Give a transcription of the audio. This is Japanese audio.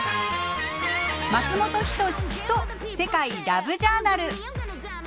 「松本人志と世界ＬＯＶＥジャーナル」。